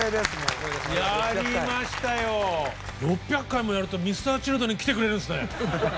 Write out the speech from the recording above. ６００回もやるとＭｒ．Ｃｈｉｌｄｒｅｎ来てくれるんですね。